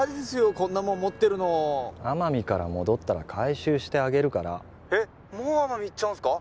こんなもん持ってるの奄美から戻ったら回収してあげるから☎えっもう奄美行っちゃうんすか？